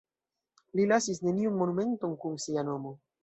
Li lasis neniun monumenton kun sia nomo.